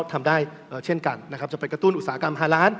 ทำได้เช่นกันนะครับจนไปกระตุ้นอุตสาหกรรมหาร้าน